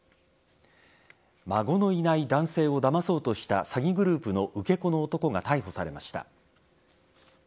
孫のいない男性を騙そうとした詐欺グループの受け子の男が逮捕されました。